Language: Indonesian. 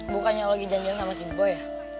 bukannya lo lagi janjian sama si boy ya